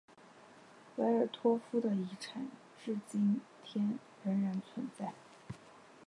维尔托夫的遗产至今天仍然存在。